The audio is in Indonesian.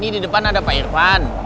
di depan ada pak irfan